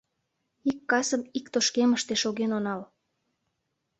Ик касым ик тошкемыште шоген онал.